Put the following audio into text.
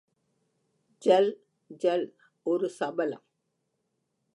ஜல்..... ஜல்...... ஒரு சபலம்.